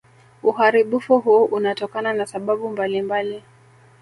Uharibifu huu unatokana na sababu mbalimbali